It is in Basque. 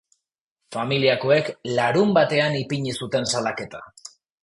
Familiakoek larunbatean ipini zuten salaketa.